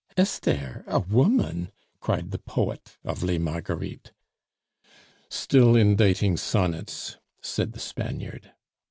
"Esther! A woman!" cried the poet of Les Marguerites. "Still inditing sonnets!" said the Spaniard.